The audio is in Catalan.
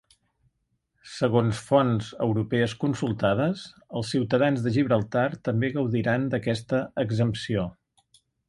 Segons fonts europees consultades, els ciutadans de Gibraltar també gaudiran d’aquesta exempció.